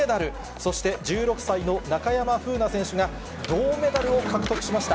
そして、１６歳の中山楓奈選手が銅メダルを獲得しました。